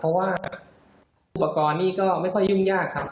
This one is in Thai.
เพราะว่าอุปกรณ์นี้ก็ไม่ค่อยยุ่งยากครับ